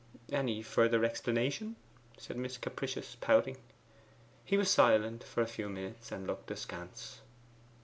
'Any further explanation?' said Miss Capricious, pouting. He was silent for a few minutes, and looked askance.